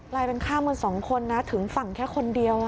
กลายเป็นข้ามกันสองคนนะถึงฝั่งแค่คนเดียว